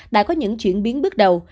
đã có những chuyển biến bước đầu